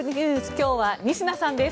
今日は仁科さんです。